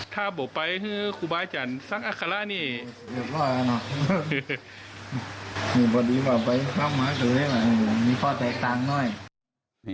เตะหูนึงแม่นหมดละ